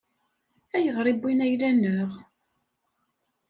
Ayɣer i wwin ayla-nneɣ?